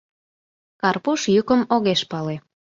Карпуш йӱкым огеш пале.